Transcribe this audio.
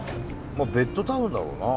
まあベッドタウンだろうなあ